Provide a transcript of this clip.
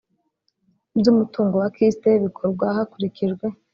by umutungo wa kist bikorwa hakurikijwe